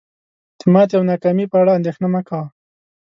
د ماتي او ناکامی په اړه اندیښنه مه کوه